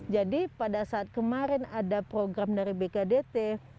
jadi pada saat kemarin ada program dari bkdt